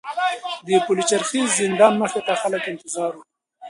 د پلچرخي زندان مخې ته خلک انتظار وو.